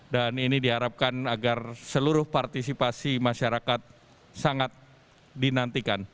dan ini diharapkan agar seluruh partisipasi masyarakat sangat dinantikan